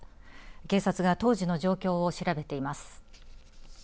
警察が当時の状況を調べています。